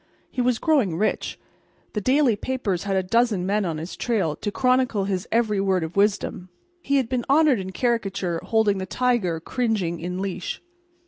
He was growing rich; the daily papers had a dozen men on his trail to chronicle his every word of wisdom; he had been honored in caricature holding the Tiger cringing in leash.